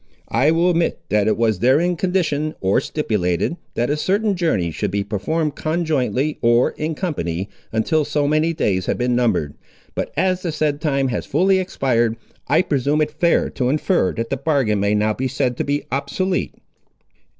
I will admit that it was therein conditioned, or stipulated, that a certain journey should be performed conjointly, or in company, until so many days had been numbered. But as the said time has fully expired, I presume it fair to infer that the bargain may now be said to be obsolete."